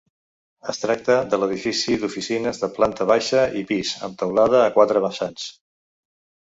Es tracta de l'edifici d'oficines, de planta baixa i pis, amb teulada a quatre vessants.